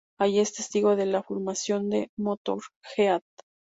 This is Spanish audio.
Allí es testigo de la formación de "Motörhead".